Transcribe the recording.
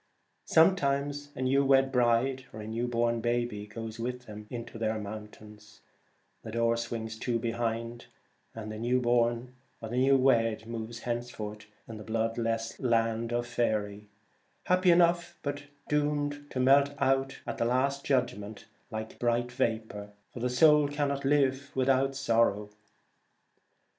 Some times a new wed bride or a new born baby goes with them into their mountains ; the door swings to behind, and the new born or the new wed moves henceforth in the bloodless land of Faery ; happy enough, but doomed to melt out at the last judg ment like bright vapour, for the soul can not live without sorrow.